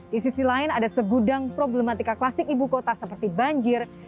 di sisi lain ada segudang problematika klasik ibu kota seperti banjir